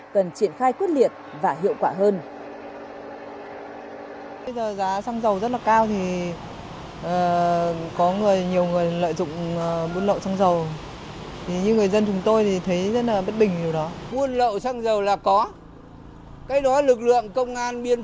cần triển khai quyết liệt và hiệu quả hơn